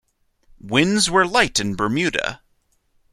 Winds were light in Bermuda.